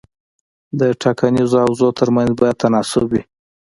د ټاکنیزو حوزو ترمنځ باید تناسب وي.